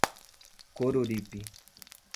Coruripe